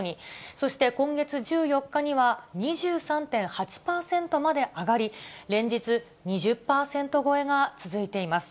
そして今月１４日には２３．８％まで上がり、連日２０％超えが続いています。